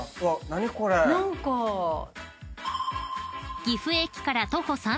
何か。